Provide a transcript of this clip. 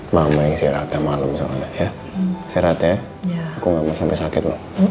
hai penuh si rasa nah mama yang serat sama lu ya serat ya aku nggak mau sampai sakit